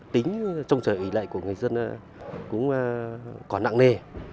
tính trong trời ủy lệ của người dân cũng có nặng nề